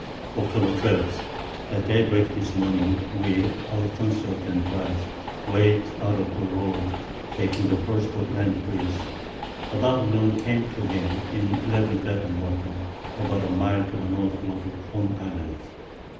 Octob. 12. At Day break this Morning, we, our Consort and Prize, weigh'd out of the Road, taking the first of the Land Breeze: About Noon came too again, in 11 Fathom Water, about a Mile to the Northward of Horn Island.